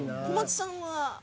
小松さんは？